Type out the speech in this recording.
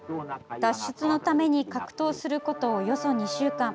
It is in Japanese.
脱出のために格闘することおよそ２週間。